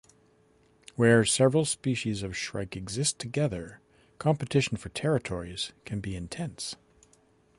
Where several species of shrike exist together, competition for territories can be intense.